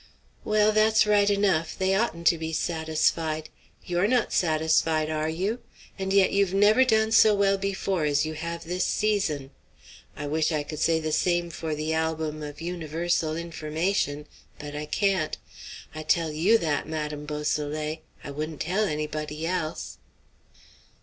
"Well, that's right enough; they oughtn't to be satisfied. You're not satisfied, are you? And yet you've never done so well before as you have this season. I wish I could say the same for the 'Album of Universal Information;' but I can't. I tell you that, Madame Beausoleil; I wouldn't tell anybody else."